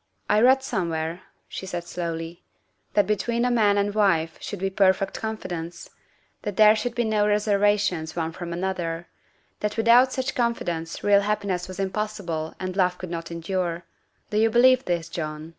" I read somewhere," she said slowly, " that between a man and wife should be perfect confidence ; that there should be no reservations one from another; that with out such confidence real happiness was impossible and love could not endure. Do you believe this, John